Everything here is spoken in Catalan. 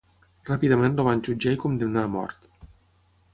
Ràpidament el van jutjar i condemnar a mort.